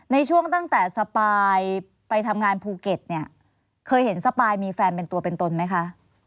ในช่วงตั้งแต่สปายไปทำงานภูเก็ตเนี่ยเคยเห็นสปายมีแฟนเป็นตัวเป็นตนไหมคะ